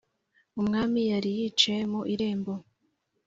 Umwami yari yicaye mu irembo